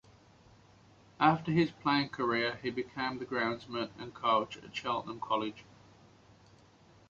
After his playing career he became the groundsman and coach at Cheltenham College.